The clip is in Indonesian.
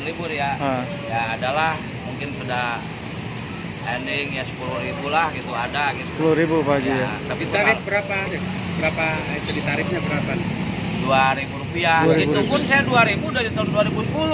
itu pun saya rp dua dari tahun dua ribu sepuluh